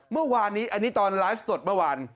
เมื่อวานนี้อันนี้ตอนไลฟ์สดเมื่อวาน